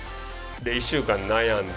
１週間悩んで。